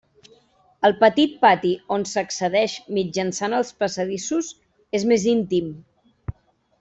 El petit pati on s'accedeix mitjançant els passadissos és més íntim.